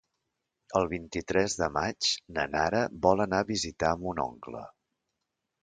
El vint-i-tres de maig na Nara vol anar a visitar mon oncle.